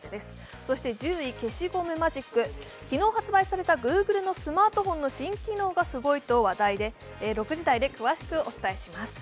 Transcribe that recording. そして１０位、消しゴムマジック、昨日発売されたグーグルの新機能がすごいと話題で、６時台で詳しくお伝えします。